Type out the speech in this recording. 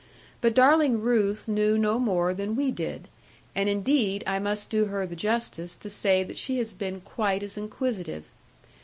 But darling Ruth knew no more than we did, and indeed I must do her the justice to say that she has been quite as inquisitive.